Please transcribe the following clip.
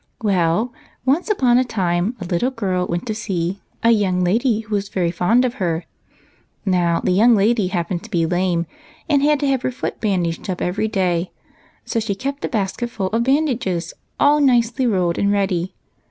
" Well, once apon a time, a little girl went to see a young lady who was very fond of her. Now, the young lady happened to be lame, and had to have her foot bandaged up every day; so she kept a basketful of bandages, all nicely rolled and ready.